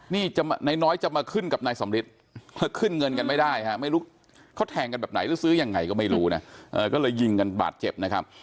นี่นายน้อยจะมาขึ้นกับนายสำริทขึ้นเงินกันไม่ได้ฮะไม่รู้เขาแทงกันแบบไหนหรือซื้อยังไงก็ไม่รู้นะก็เลยยิงกันบาดเจ็บนะครับ